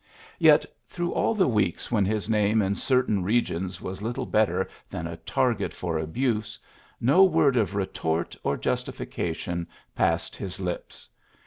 Yet, through all the weeks when his name in certain regions was little better than a target for abuse, no word of retort or justification passed his lips.